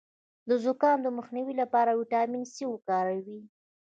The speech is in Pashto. د زکام د مخنیوي لپاره ویټامین سي وکاروئ